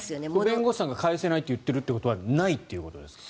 弁護士さんが、返せないと言っているということはないっていうことですか？